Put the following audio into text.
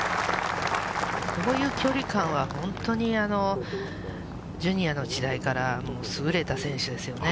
こういう距離感は本当にジュニアの時代から優れた選手ですよね。